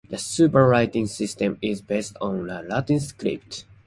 The Suba writing system is based on the Latin script.